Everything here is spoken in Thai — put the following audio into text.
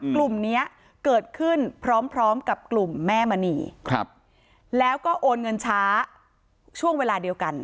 กลุ่มนี้เกิดขึ้นพร้อมกับกลุ่มแม่มณีแล้วก็โอนเงินช้าช่วงเวลาเดียวกัน